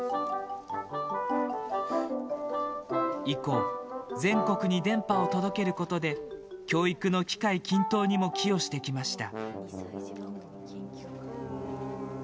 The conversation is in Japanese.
以降、全国に電波を届けることで教育の機会均等にも寄与してきました。